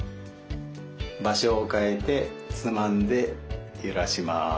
場所を変えてつまんでゆらします。